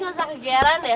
nggak usah kejaran deh